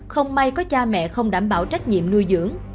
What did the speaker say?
không may có cha mẹ không đảm bảo trách nhiệm nuôi dưỡng